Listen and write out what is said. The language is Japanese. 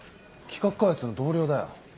企画開発の同僚だよ。